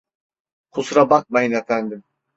Kusura bakmayın efendim.